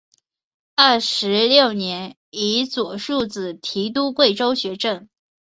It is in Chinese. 二十六年以左庶子提督贵州学政。